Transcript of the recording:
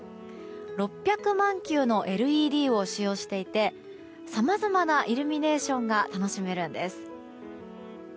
６００万球のＬＥＤを使用していてさまざまなイルミネーションが楽しめるんです。